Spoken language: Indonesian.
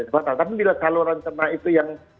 tapi bila saluran cernak itu yang